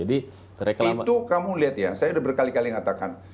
itu kamu lihat ya saya udah berkali kali ngatakan